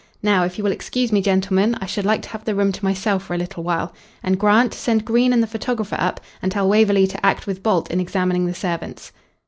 "Now, if you will excuse me, gentlemen, I should like to have the room to myself for a little while. And, Grant, send Green and the photographer up, and tell Waverley to act with Bolt in examining the servants."